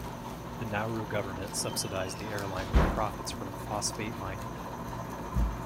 The Nauru government subsidized the airline with profits from phosphate mining.